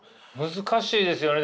難しいですよね。